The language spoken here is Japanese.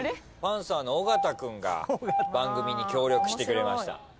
パンサーの尾形君が番組に協力してくれました。